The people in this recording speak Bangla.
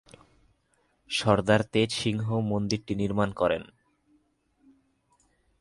সরদার তেজ সিংহ মন্দিরটি নির্মাণ করেন।